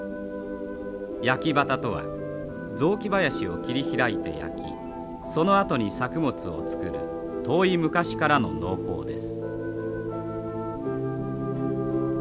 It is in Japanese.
焼畑とは雑木林を切り開いて焼きそのあとに作物を作る遠い昔からの農法です。